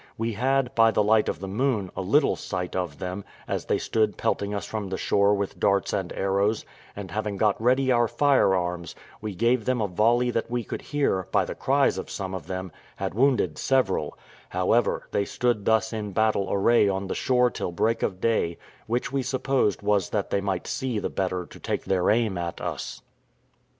We had, by the light of the moon, a little sight of them, as they stood pelting us from the shore with darts and arrows; and having got ready our firearms, we gave them a volley that we could hear, by the cries of some of them, had wounded several; however, they stood thus in battle array on the shore till break of day, which we supposed was that they might see the better to take their aim at us.